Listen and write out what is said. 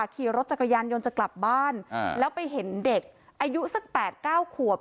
ขี่รถจักรยานยนต์จะกลับบ้านแล้วไปเห็นเด็กอายุสัก๘๙ขวบ